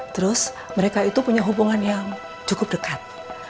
terus mereka itu punya hubungan yang cukup dekat